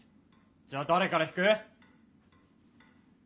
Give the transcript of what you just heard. じゃあ誰から引く？